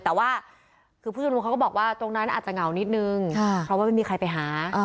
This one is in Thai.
แต่ว่าคือผู้ชมนุมเขาก็บอกว่าตรงนั้นอาจจะเหงานิดนึงเพราะว่าไม่มีใครไปหา